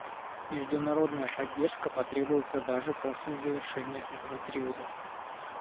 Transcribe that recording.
Международная поддержка потребуется даже после завершения этого периода.